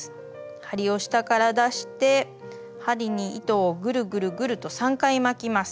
針を下から出して針に糸をぐるぐるぐると３回巻きます。